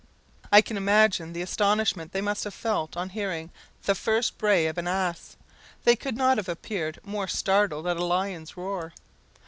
I can imagine the astonishment they must have felt on hearing the first bray of an ass; they could not have appeared more startled at a lion's roar.